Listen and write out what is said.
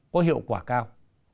có hiệu quả cao